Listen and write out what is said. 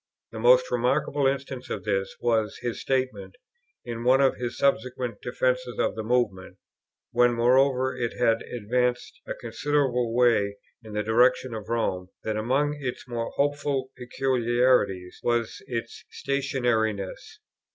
The most remarkable instance of this, was his statement, in one of his subsequent defences of the Movement, when moreover it had advanced a considerable way in the direction of Rome, that among its more hopeful peculiarities was its "stationariness."